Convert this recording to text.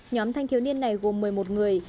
nhóm thanh thiếu niên này gồm một mươi một người